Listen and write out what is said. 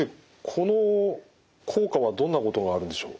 この効果はどんなことがあるんでしょう？